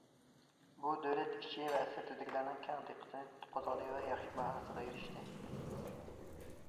بۇ، دۆلەت ئىچى ۋە سىرتىدىكىلەرنىڭ كەڭ دىققىتىنى قوزغىدى ۋە ياخشى باھاسىغا ئېرىشتى.